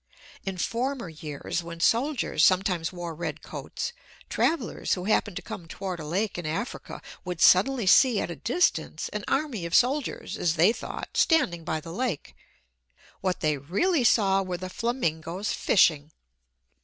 In former years, when soldiers sometimes wore red coats, travelers who happened to come toward a lake in Africa would suddenly see at a distance an army of soldiers, as they thought, standing by the lake. What they really saw were the flamingos fishing!